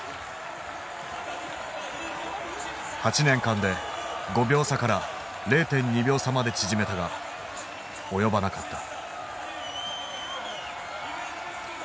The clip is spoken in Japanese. ８年間で５秒差から０．２秒差まで縮めたが及ばなかった。